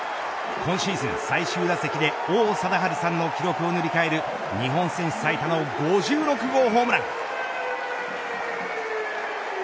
今シーズン最終打席で王貞治さんの記録を塗り替える日本選手最多の５６号ホームラン。